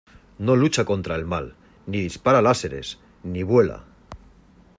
¡ No lucha contra el mal, ni dispara láseres , ni vuela!